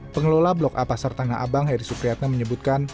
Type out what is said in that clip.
pengelola blok apasar tangga abang heri sukriatna menyebutkan